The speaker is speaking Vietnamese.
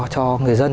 cho người dân